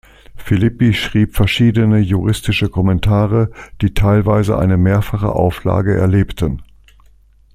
Philippi schrieb verschiedene juristische Kommentare, die teilweise eine mehrfache Auflage erlebten.